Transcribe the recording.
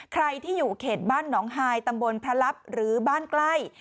ใครที่อยู่เขตบ้านหนองฮายตำบลพระลับหรือบ้านใกล้